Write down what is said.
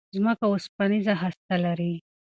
ځمکه اوسپنيزه هسته لري.